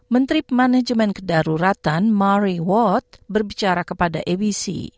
menteri pemanajemen kedaruratan marie watt berbicara kepada abc